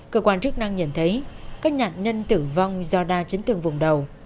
cơ quan chức năng nhận thấy các nhạn nhân tử vong do đa chấn tường vùng đầu